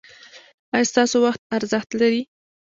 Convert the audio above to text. ایا ستاسو وخت ارزښت لري؟